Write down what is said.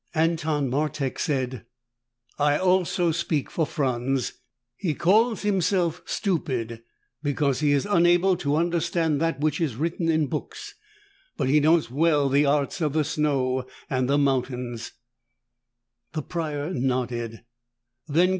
Anton Martek said, "I also speak for Franz. He calls himself stupid because he is unable to understand that which is written in books. But he knows well the arts of the snow and the mountains." The Prior nodded.